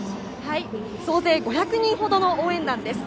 総勢５００人ほどの応援団です。